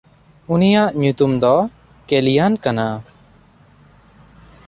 ᱩᱱᱤᱭᱟᱜ ᱧᱩᱛᱩᱢ ᱫᱚ ᱠᱮᱞᱤᱭᱟᱱ ᱠᱟᱱᱟ᱾